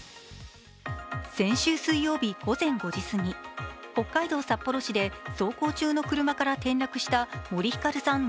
先週金曜日、午前５時すぎ、北海道札幌市で走行中の車から転落した森ひかるさん